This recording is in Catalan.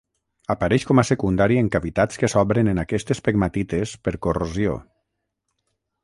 Apareix com a secundari en cavitats que s'obren en aquestes pegmatites per corrosió.